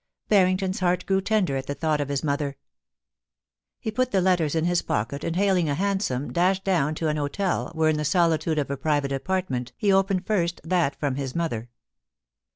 Harrington's heart grew tender at the thought of his mother. He put the letters in his pocket, and, hailing a hansom, dashed down to an hotel, where in the solitude of a private apartment he opened first that from his mother.